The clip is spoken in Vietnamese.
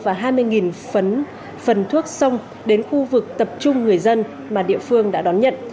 và hai mươi phần thuốc sông đến khu vực tập trung người dân mà địa phương đã đón nhận